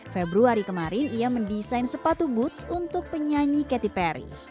februari kemarin ia mendesain sepatu boots untuk penyanyi catty perry